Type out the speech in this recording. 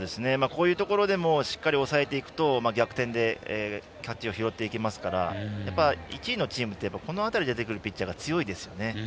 こういうところでしっかり抑えていくと逆転で勝ちを拾っていけますからやっぱり１位のチームはこの辺りで出てくるピッチャーが強いですよね。